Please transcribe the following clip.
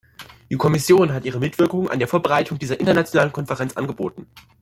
Die Kommission hat ihre Mitwirkung an der Vorbereitung dieser internationalen Konferenz angeboten.